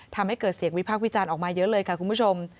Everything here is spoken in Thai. ทำให้เกิดเสียงดรวิจันทร์ออกมาเยอะเลยค่ะคุณผู้ชม